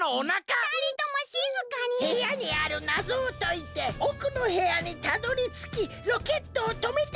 へやにあるなぞをといておくのへやにたどりつきロケットをとめてください！